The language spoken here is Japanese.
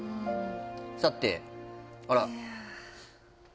さてあら？